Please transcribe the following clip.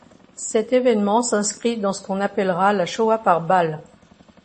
Cet évènement s'inscrit dans ce qu'on appellera la Shoah par balles.